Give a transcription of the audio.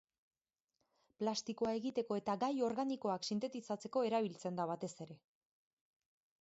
Plastikoa egiteko eta gai organikoak sintetizatzeko erabiltzen da batez ere.